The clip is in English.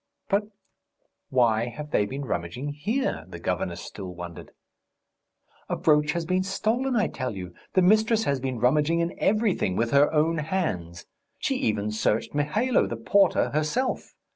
"But ... why have they been rummaging here?" the governess still wondered. "A brooch has been stolen, I tell you. The mistress has been rummaging in everything with her own hands. She even searched Mihailo, the porter, herself.